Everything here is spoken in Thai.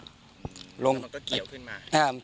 ลมมันก็เกี่ยวขึ้นมา